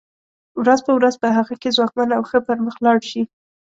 ورځ په ورځ په هغه کې ځواکمن او ښه پرمخ لاړ شي.